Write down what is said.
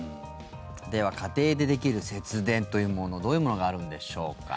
では、家庭でできる節電というものどういうものがあるんでしょうか？